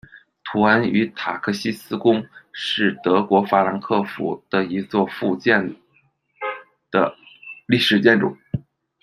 图恩与塔克西斯宫是德国法兰克福的一座复建的历史建筑。